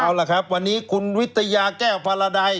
เอาล่ะครับวันนี้คุณวิทยาแก้วพาราดัย